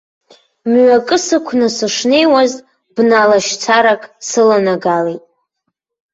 Мҩакы сықәны сышнеиуаз, бна лашьцарак сыланагалеит.